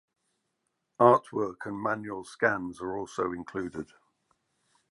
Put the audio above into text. Artwork and manual scans are also included.